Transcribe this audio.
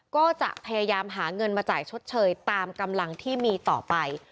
ก็จะพยายามหาเงินมาจ่ายชดเชยตามกำลังที่มีต่อไป